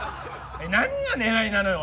何がねらいなのよ？